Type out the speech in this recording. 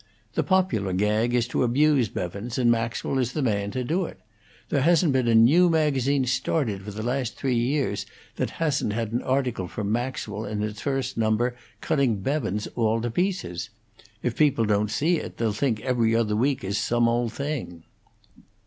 The popular gag is to abuse Bevans, and Maxwell is the man to do it. There hasn't been a new magazine started for the last three years that hasn't had an article from Maxwell in its first number cutting Bevans all to pieces. If people don't see it, they'll think 'Every Other Week' is some old thing."